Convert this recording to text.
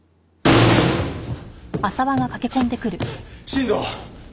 新藤！